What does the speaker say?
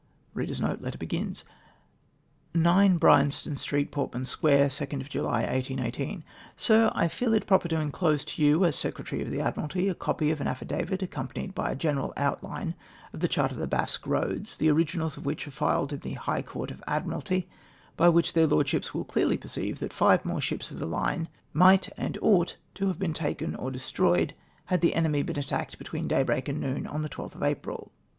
10 LETTER TO THE SECRETARY OF THE ADMIRALTY. '' 9, Bryanstone Street, Portman Square, 2nd July, 1818. *'' Sir, — I feel it proper to inclose to you, as Secretary of the Admiralty, a copy of an affidavit, accompanied by a general outline of the chart of Basque Eoads, the originals of which are filed in the High Court of Admiralty, by which their Lordships will clearly perceive that five more ships of the line migld and ought to have been taken or destroyed, had the enemy been attacked between daybreak and noon on the 12th of April.